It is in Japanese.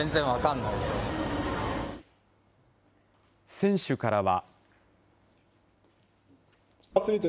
選手からは。